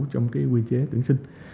trong quy chế tuyển sinh